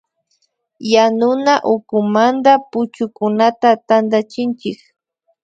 Yanuna ukumanta puchukunata tantachinchik